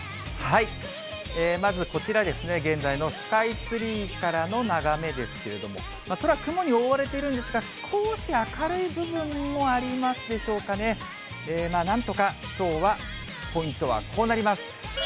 まずこちら、現在のスカイツリーからの眺めですけれども、空、雲に覆われているんですが、少し明るい部分もありますでしょうかね、なんとかきょうはポイントはこうなります。